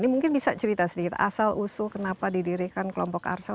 ini mungkin bisa cerita sedikit asal usul kenapa didirikan kelompok arsal